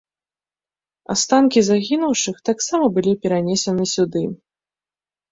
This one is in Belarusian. Астанкі загінуўшых таксама былі перанесены сюды.